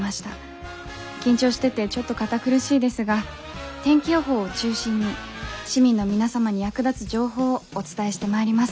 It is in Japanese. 緊張しててちょっと堅苦しいですが天気予報を中心に市民の皆様に役立つ情報をお伝えしてまいります。